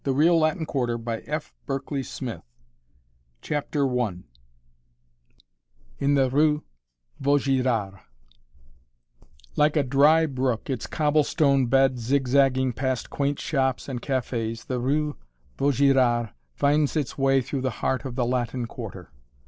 [Illustration: (city rooftop scene)] CHAPTER I IN THE RUE VAUGIRARD Like a dry brook, its cobblestone bed zigzagging past quaint shops and cafés, the rue Vaugirard finds its way through the heart of the Latin Quarter.